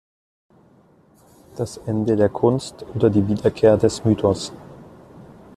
Das Ende der Kunst oder die Wiederkehr des Mythos.